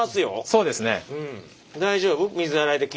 そうですね。